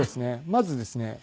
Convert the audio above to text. まずですね